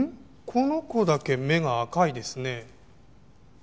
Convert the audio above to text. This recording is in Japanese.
この子だけ目が赤いですね。